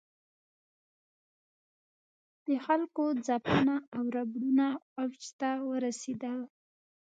د خلکو ځپنه او ربړونه اوج ته ورسېدل.